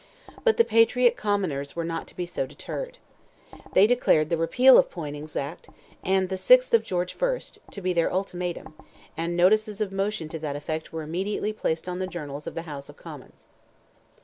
But the Patriot Commoners were not to be so deterred. They declared the repeal of Poyning's act, and the 6th of George I., to be their ultimatum, and notices of motion to that effect were immediately placed on the journals of the House of Commons.